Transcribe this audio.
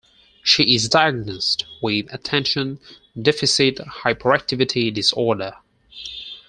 She is diagnosed with attention deficit hyperactivity disorder.